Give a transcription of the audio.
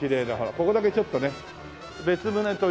ここだけちょっとね別棟というね。